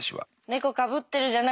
猫かぶってるじゃなくて。